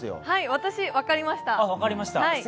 私、分かりました。